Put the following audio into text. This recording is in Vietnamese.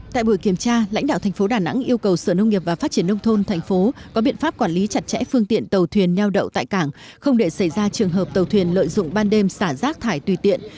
tại buổi kiểm tra lãnh đạo thành phố đà nẵng yêu cầu sở nông nghiệp và phát triển nông thôn thành phố có biện pháp quản lý chặt chẽ phương tiện tàu thuyền neo đậu tại cảng không để xảy ra trường hợp tàu thuyền lợi dụng ban đêm xả rác thải tùy tiện